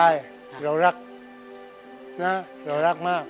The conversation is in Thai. เรารักนะเรารักมาก